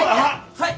はい！